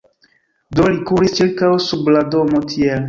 Do li kuris ĉirkaŭ sub la domo tiel: